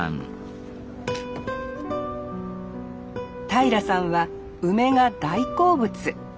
平さんは梅が大好物。